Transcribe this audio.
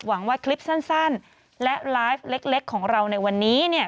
หวังว่าคลิปสั้นและไลฟ์เล็กของเราในวันนี้เนี่ย